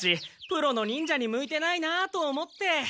プロの忍者に向いてないなあと思って。